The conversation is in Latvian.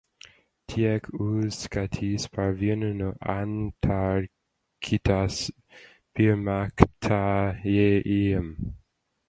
Tiek uzskatīts par vienu no Antarktīdas pirmatklājējiem.